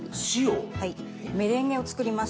メレンゲを作ります。